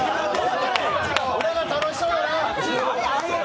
裏が楽しそうだな！